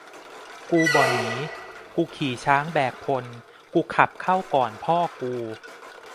กูบ่หนี กูขี่ช้างแบกพล กูขับเข้าก่อนพ่อกู